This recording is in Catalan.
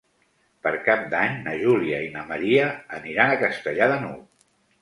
Per Cap d'Any na Júlia i na Maria aniran a Castellar de n'Hug.